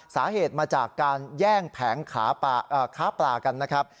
สาเหตุมาจากการแย่งแผงค้าปลากันนะครับ